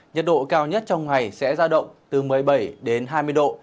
nhiệt độ cao nhất trong ngày sẽ ra động từ một mươi bảy đến hai mươi độ